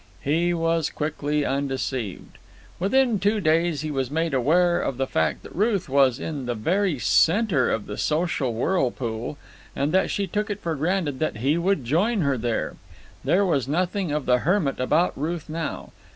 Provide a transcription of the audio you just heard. He was quickly undeceived. Within two days he was made aware of the fact that Ruth was in the very centre of the social whirlpool and that she took it for granted that he would join her there. There was nothing of the hermit about Ruth now.